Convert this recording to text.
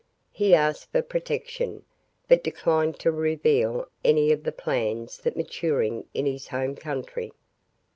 He asked for protection, but declined to reveal any of the plans then maturing in his home country.